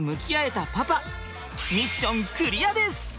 ミッションクリアです！